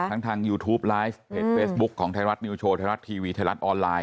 ทางยูทูปไลฟ์เพจเฟซบุ๊คของไทยรัฐนิวโชว์ไทยรัฐทีวีไทยรัฐออนไลน